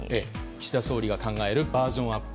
岸田総理が考えるバージョンアップ